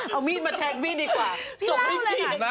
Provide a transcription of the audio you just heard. เอามีดมาแทรกพี่ดีกว่า